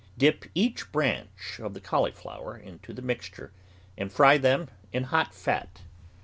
Dip each branch of the cauliflower into the mixture and fry them in hot fat.